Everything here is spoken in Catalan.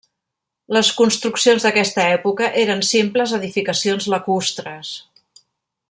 Les construccions d'aquesta època eren simples edificacions lacustres.